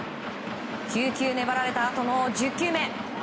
９球粘られたあとの１０球目。